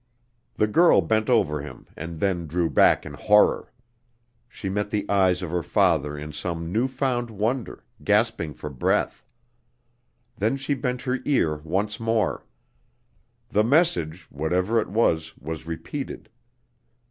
The girl bent over him and then drew back in horror. She met the eyes of her father in some new found wonder, gasping for breath. Then she bent her ear once more. The message, whatever it was, was repeated.